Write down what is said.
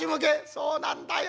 「そうなんだよ。